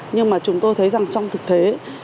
nhưng mà chúng tôi thấy rằng trong thực thế